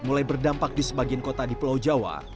mulai berdampak di sebagian kota di pulau jawa